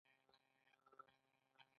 سخت کارونه ټول د غلامانو په غاړه شول.